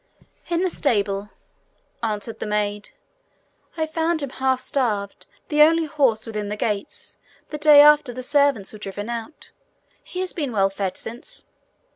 'In the stable,' answered the maid. 'I found him half starved, the only horse within the gates, the day after the servants were driven out. He has been well fed since.'